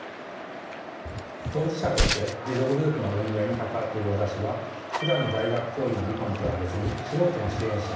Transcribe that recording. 当事者として自助グループの運営に関わっている私はふだんの大学教員の身分とは別に素人の支援者